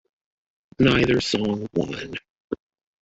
Neither song won.